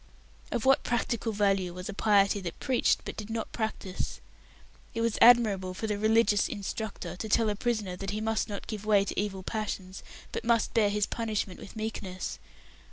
Of what practical value was a piety that preached but did not practise? It was admirable for the "religious instructor" to tell a prisoner that he must not give way to evil passions, but must bear his punishment with meekness.